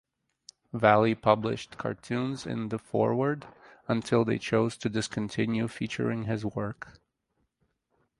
Valley published cartoons in "The Forward" until they chose to discontinue featuring his work.